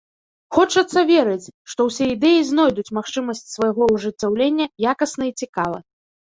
Хочацца верыць, што ўсе ідэі знойдуць магчымасць свайго ажыццяўлення якасна і цікава.